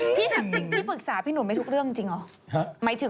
ที่ถามจริงพี่ปรึกษาพี่หนุ่มไม่ทุกเรื่องจริงเหรอ